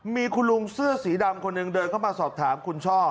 มีคุณลุงเสื้อสีดำคนหนึ่งเดินเข้ามาสอบถามคุณช่อ